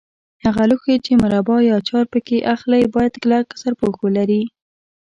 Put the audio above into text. هغه لوښي چې مربا یا اچار پکې اخلئ باید کلک سرپوښ ولري.